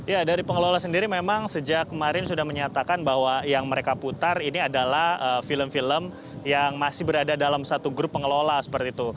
ya dari pengelola sendiri memang sejak kemarin sudah menyatakan bahwa yang mereka putar ini adalah film film yang masih berada dalam satu grup pengelola seperti itu